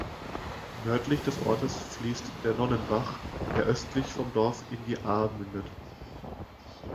Nördlich des Ortes fließt der Nonnenbach, der östlich vom Dorf in die Ahr mündet.